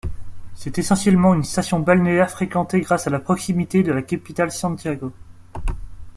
C'est essentiellement une station balnéaire fréquentée grâce à la proximité de la capitale Santiago.